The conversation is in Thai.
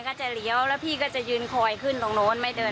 น่าจะแป๊บ๓ที